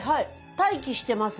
「待機してます」。